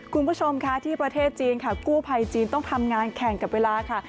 คุณผู้ชมค่ะที่ประเทศจีนค่ะกู้ภัยจีนต้องทำงานแข่งกับเวลาค่ะ